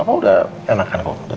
papa udah enakan kok